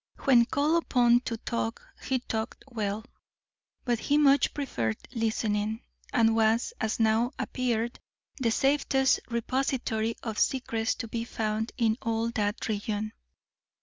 When called upon to talk, he talked well, but he much preferred listening, and was, as now appeared, the safest repository of secrets to be found in all that region.